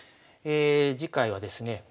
次回はですね